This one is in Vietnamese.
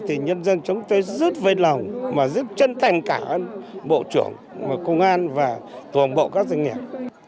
thì nhân dân chúng tôi rất vui lòng và rất chân thành cảm ơn bộ trưởng bộ công an và tù hồng bộ các doanh nghiệp